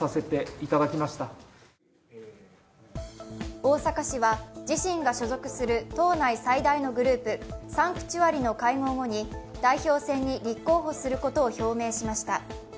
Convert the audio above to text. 逢阪氏は自身が所属する党内最大のグループサンクチュアリの会合後に代表戦に立候補することを表明しました。